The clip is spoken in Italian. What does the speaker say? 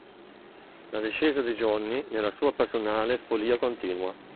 La discesa di Johnny nella sua personale follia continua.